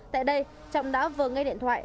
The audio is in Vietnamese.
tại đây trọng đã vờ ngay điện thoại